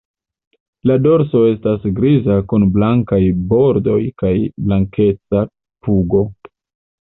La dorso estas griza kun blankaj bordoj kaj blankeca pugo.